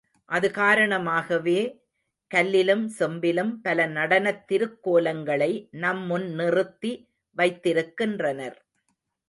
அது காரணமாகவே கல்லிலும் செம்பிலும் பல நடனத் திருக் கோலங்களை நம் முன் நிறுத்தி வைத்திருக்கின்றனர்.